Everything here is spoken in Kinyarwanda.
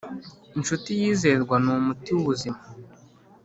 inshuti yizerwa numuti wubuzima